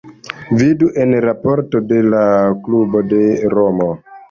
Vidu en raporto de la klubo de Romo.